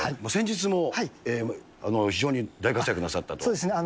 そうですね。